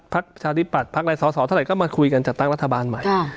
พักชาติปรัสพักอะไรสอเท่าไหร่ก็มาคุยกันจากตั้งรัฐบาลใหม่